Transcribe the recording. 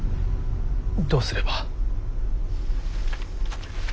どうすれば。